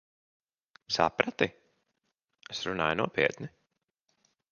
Saprati? Es runāju nopietni.